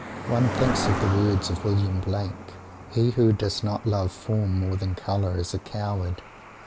One thinks of the words of William Blake: "He who does not love Form more than Colour is a coward."